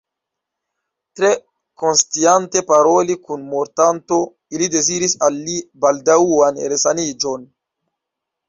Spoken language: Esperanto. Tre konsciante paroli kun mortanto, ili deziris al li baldaŭan resaniĝon.